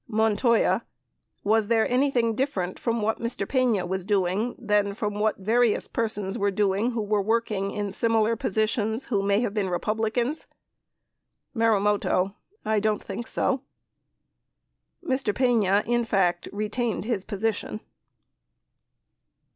*% iji ❖* Montoya. Was there anything different from what Mr. Pena was doing than from what various persons were doing who were working in similar positions who may have been Republicans ? Marumoto. I don't think so. 58 Mr. Pena, in fact, retained his position.